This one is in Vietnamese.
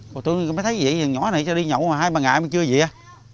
rồi tôi mới thấy vậy nhỏ này sao đi nhậu mà hai bà ngại mà chưa vậy